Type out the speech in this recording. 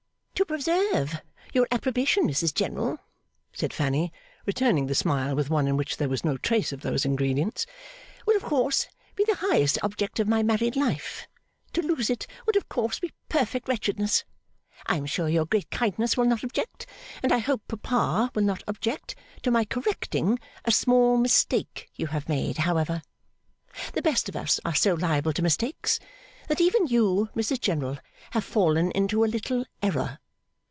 'To preserve your approbation, Mrs General,' said Fanny, returning the smile with one in which there was no trace of those ingredients, 'will of course be the highest object of my married life; to lose it, would of course be perfect wretchedness. I am sure your great kindness will not object, and I hope papa will not object, to my correcting a small mistake you have made, however. The best of us are so liable to mistakes, that even you, Mrs General, have fallen into a little error.